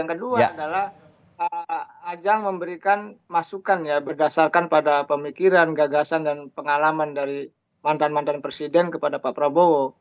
yang kedua adalah ajang memberikan masukan ya berdasarkan pada pemikiran gagasan dan pengalaman dari mantan mantan presiden kepada pak prabowo